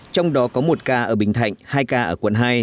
trong đó có một ca ở bình thạnh hai ca ở quận hai